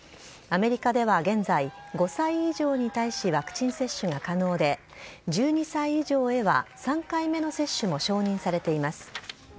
アメリカでは現在、５歳以上に対しワクチン接種が可能で、１２歳以上へは３回目の接種も承認されています。